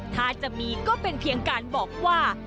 ถ้าจะมีก็เป็นเพียงการบอกว่า